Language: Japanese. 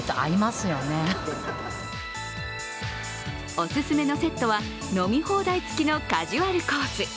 おすすめのセットは飲み放題つきのカジュアルコース。